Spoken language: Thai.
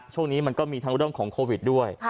ช่วงนี้มันก็มีทั้งเรื่องของโควิดด้วย